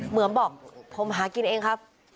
เหมือนบอกผมหากินเองครับ